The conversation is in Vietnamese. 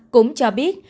cũng cho biết